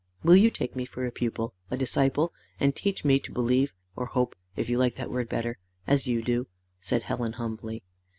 "Will you take me for a pupil a disciple and teach me to believe or hope, if you like that word better as you do?" said Helen humbly.